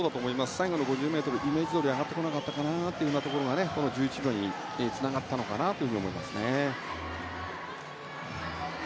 最後の５０ｍ、イメージどおり上がらなかったというのがこの１１秒につながったのかなと思います。